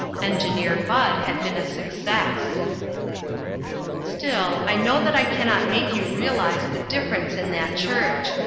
Engineer Bud had been a success. Still, I know that I can not make you realize the difference in that church.